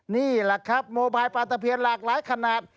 นี่แหละครับโมบายปลาตะเพียนหลากหลายขนาด